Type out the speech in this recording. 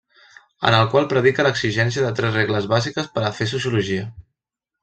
En el qual predica l’exigència de tres regles bàsiques per a fer sociologia.